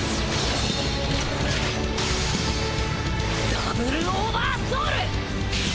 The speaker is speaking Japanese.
ダブルオーバーソウル！